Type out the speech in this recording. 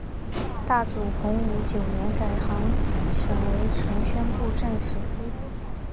太祖洪武九年改行省为承宣布政使司。